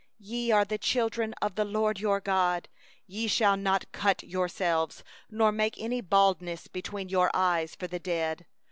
Ye are the children of the LORD your God: ye shall not cut yourselves, nor make any baldness between your eyes for the dead.